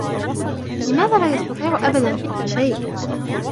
لماذا لا يستطيع أبدا فعل شيء؟